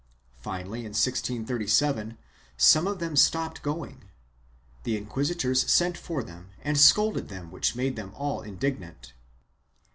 Finally, in 1637, some of them stopped going; the inquisitors sent for them and scolded them which made them all indignant.